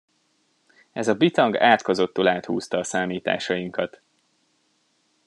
Ez a bitang átkozottul áthúzta a számításainkat.